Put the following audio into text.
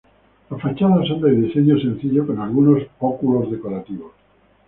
Las fachadas son de diseño sencillo con algunos óculos decorativos.